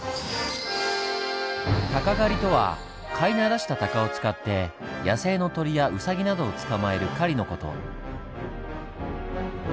「鷹狩り」とは飼い慣らした鷹を使って野生の鳥やウサギなどを捕まえる狩りの事。